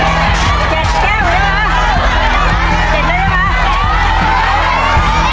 นี่แก้วที่๘แล้วครับ